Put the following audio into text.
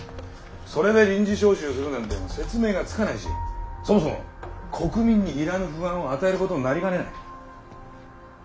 それで臨時招集するなんて説明がつかないしそもそも国民にいらぬ不安を与えることになりかねない。